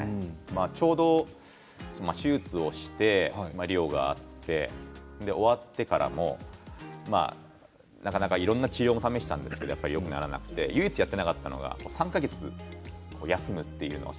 ちょうど手術をしてリオがあって、終わってからもなかなかいろんな治療も試したんですけどよくならなくて唯一やっていなかったのが３か月休むというのを。